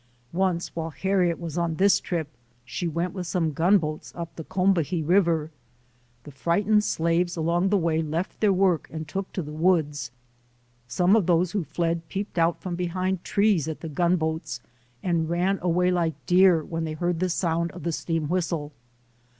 Once while Harriet was on this trip she went with some gunboats up the Combahee River. The frightened slaves along the way left their work and took to the woods. Some of those who fled peeped out from behind trees at the gunboats and ran away like deer when they heard the sound of the steam whistle.